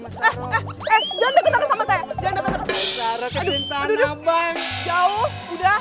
aduh abang abang jangan jangan